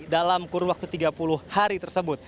dalam kurun waktu tiga puluh hari tersebut